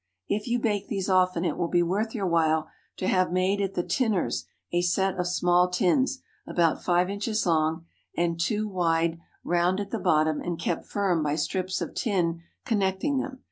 If you bake these often, it will be worth your while to have made at the tinner's a set of small tins, about five inches long and two wide, round at the bottom, and kept firm by strips of tin connecting them.